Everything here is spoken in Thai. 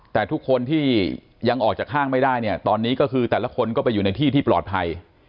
แต่ทุกคนที่ยังออกจากห้างไม่ได้เนี่ยตอนนี้ก็คือแต่ละคนก็ไปอยู่ในที่ที่ปลอดภัย